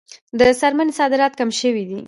د څرمنې صادرات کم شوي دي